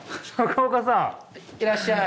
中岡さん。